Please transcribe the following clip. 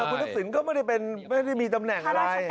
ฑุตฤษิณก็ไม่ได้เป็นไม่ได้มีตำแหน่งอะไร